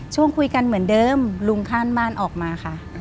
ช่วงคุยกันเหมือนเดิมลุงข้างบ้านออกมาค่ะ